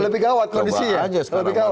lebih gawat kondisinya